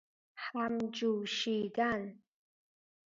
همجوشیدن